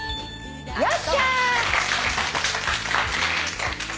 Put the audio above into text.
よっしゃ！